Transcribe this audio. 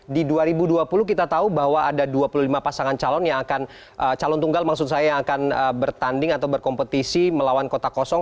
di dua ribu dua puluh kita tahu bahwa ada dua puluh lima pasangan calon yang akan calon tunggal maksud saya yang akan bertanding atau berkompetisi melawan kota kosong